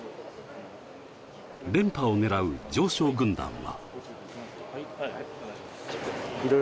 連覇をねらう常勝軍団は。